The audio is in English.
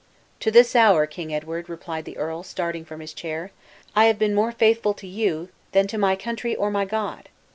"To this hour, Kind Edward," replied the earl, starting from his chair, "I have been more faithful to you than to my country or my God!